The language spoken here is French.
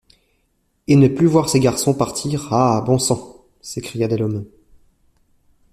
Et ne plus voir ses garçons partir, ah! bon sang ! s’écria Delhomme.